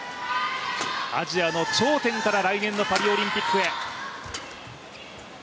アジアの頂点から来年のパリオリンピックへ。